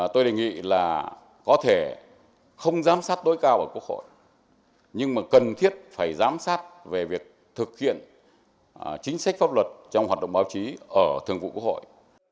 tôi đề nghị là có thể không giám sát tối cao ở quốc hội nhưng mà cần thiết phải giám sát về việc thực hiện chính sách pháp luật trong hoạt động báo chí ở thường vụ quốc hội